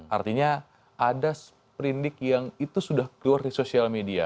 artinya ada seprindik yang itu sudah keluar di sosial media